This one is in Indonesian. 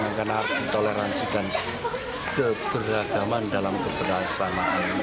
akan ditoleransikan keberagaman dalam keberasaan